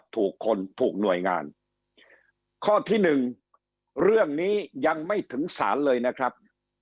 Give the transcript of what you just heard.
ถูกคนถูกหน่วยงานข้อที่หนึ่งเรื่องนี้ยังไม่ถึงศาลเลยนะครับ